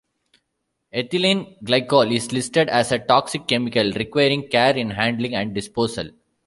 Ethylene glycol is listed as a toxic chemical requiring care in handling and disposal.